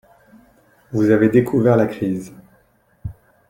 Vous avez découvert la crise.